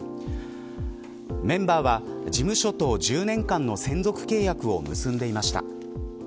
メンバーは事務所と１０年間の専属契約を結んでいました。